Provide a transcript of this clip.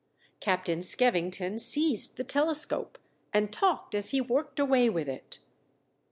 Captain Skevington seized the telescope, and talked as he worked away with it.